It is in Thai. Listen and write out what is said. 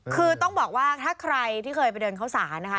คือต้องบอกว่าถ้าใครที่เคยไปเดินเข้าสารนะคะ